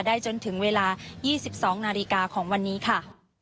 จนถึงเวลา๒๒นาฬิกาของวันนี้ค่ะ